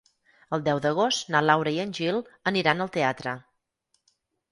El deu d'agost na Laura i en Gil aniran al teatre.